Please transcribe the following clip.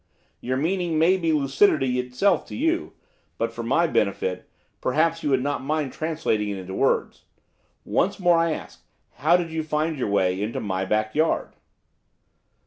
Your meaning may be lucidity itself to you, but, for my benefit, perhaps you would not mind translating it into words. Once more I ask, how did you find your way into my back yard?